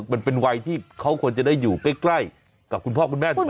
มันเป็นวัยที่เขาควรจะได้อยู่ใกล้กับคุณพ่อคุณแม่ถูกไหม